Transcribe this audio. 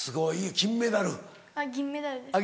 銀メダル。